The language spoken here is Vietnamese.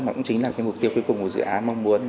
mà cũng chính là cái mục tiêu cuối cùng của dự án mong muốn